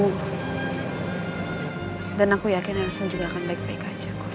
kita berdua aja semoga elsa bisa cepat ketemu